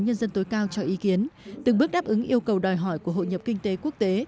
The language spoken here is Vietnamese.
nhân dân tối cao cho ý kiến từng bước đáp ứng yêu cầu đòi hỏi của hội nhập kinh tế quốc tế